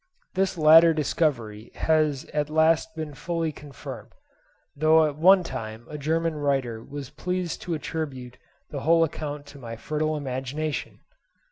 This latter discovery has at last been fully confirmed; though at one time a German writer was pleased to attribute the whole account to my fertile imagination.